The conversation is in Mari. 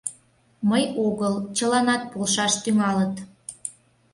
— Мый огыл, чыланат полшаш тӱҥалыт.